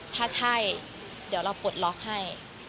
ถ้าใช่เดี๋ยวเราปลดล็อกให้